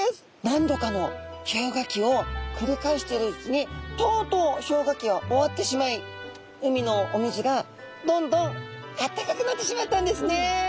何度かの氷河期をくり返しているうちにとうとう氷河期は終わってしまい海のお水がどんどんあったかくなってしまったんですね。